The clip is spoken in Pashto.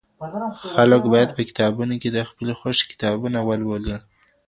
خلګ بايد په کتابتونونو کي د خپلي خوښې کتابونه ولولي.